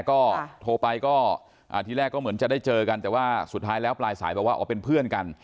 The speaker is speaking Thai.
ก็โทรไปก็ทีแรกก็เหมือนจะได้เจอกันแต่ว่าสุดท้ายแล้วปลายสายบอกว่าอ๋อเป็นเพื่อนกัน